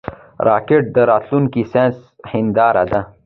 راکټ د راتلونکي ساینس هنداره ده